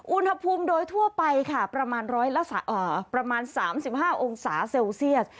อุณหภูมิโดยทั่วไปค่ะประมาณ๓๕องศาเซลเซียส